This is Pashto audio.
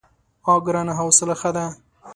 _اه ګرانه! حوصله ښه ده.